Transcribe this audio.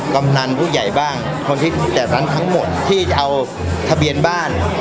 กำนันผู้ใหญ่บ้างคนที่จัดสรรทั้งหมดที่จะเอาทะเบียนบ้าน